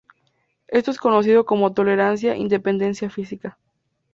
Esto es conocido como tolerancia y dependencia física.